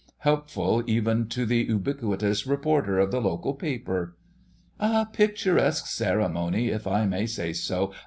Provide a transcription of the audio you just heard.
Helpful even to the ubiquitous reporter of the local paper.... "A picturesque ceremony—if I may say so.